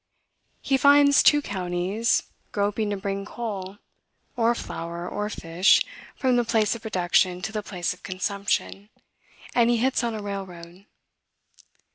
He finds two counties groping to bring coal, or flour, or fish, from the place of production to the place of consumption, and he hits on a railroad.